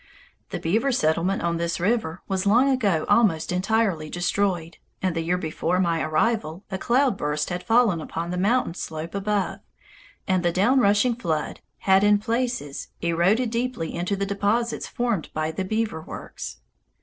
The beaver settlement on this river was long ago almost entirely destroyed, and the year before my arrival a cloudburst had fallen upon the mountain slope above, and the down rushing flood had, in places, eroded deeply into the deposits formed by the beaver works.